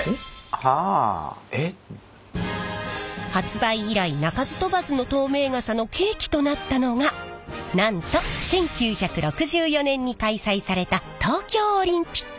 えっ？発売以来鳴かず飛ばずの透明傘の契機となったのがなんと１９６４年に開催された東京オリンピック！